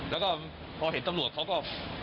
แล้วก็พอเห็นตำรวจเขาก็